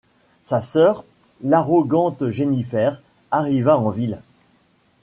Sa sœur, l'arrogante Jennifer, arriva en ville.